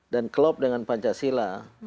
dan klop dengan pancasila